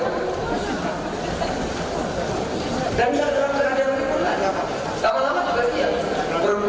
sekarang ini ini tidak ditakdirin oleh negara